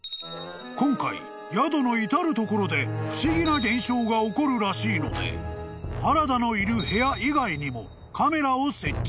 ［今回宿の至る所で不思議な現象が起こるらしいので原田のいる部屋以外にもカメラを設置］